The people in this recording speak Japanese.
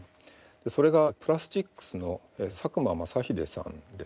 それがプラスチックスの佐久間正英さんです。